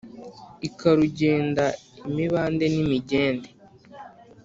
Ikarugenda imibande n'imigende